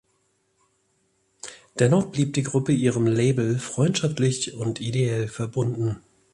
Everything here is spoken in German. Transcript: Dennoch blieb die Gruppe ihrem Label freundschaftlich und ideell verbunden.